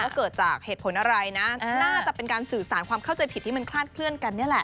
เกิดจากเหตุผลอะไรนะน่าจะเป็นการสื่อสารความเข้าใจผิดที่มันคลาดเคลื่อนกันนี่แหละ